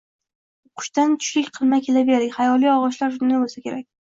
O`qishdan tushlik qilmay kelaverdik, xayoliy og`ishlar shundan bo`lsa kerak